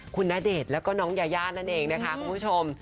คุณณเดชน์แล้วก็น้องยายานั่นเองนะคะคุณผู้ชม